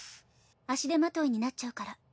足手まといになっちゃうから。